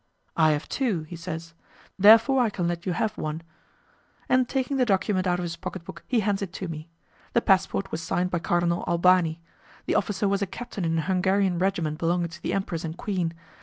"I have two," he says; "therefore I can let you have one." And taking the document out of his pocket book, he hands it to me. The passport was signed by Cardinal Albani. The officer was a captain in a Hungarian regiment belonging to the empress and queen.